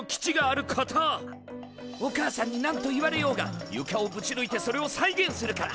お母さんに何と言われようがゆかをぶちぬいてそれを再現するから。